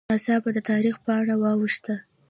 ناڅاپه د تاریخ پاڼه واوښته